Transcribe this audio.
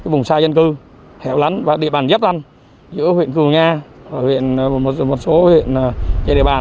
vùng xa dân cư hẻo lắn và địa bàn dấp lăn giữa huyện cửu nga và một số huyện địa bàn